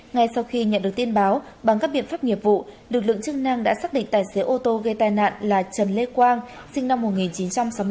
ngay sau khi nhận được tin báo bằng các biện pháp nghiệp vụ lực lượng chức năng đã xác định tài xế ô tô gây tai nạn là trần lê quang sinh năm một nghìn chín trăm sáu mươi ba